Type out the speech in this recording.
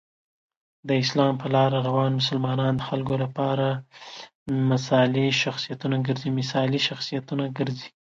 د اسلام په لاره روان مسلمانان د خلکو لپاره مثالي شخصیتونه ګرځي.